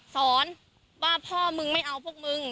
สอนว่าพ่อมึงไม่เอาพวกมึง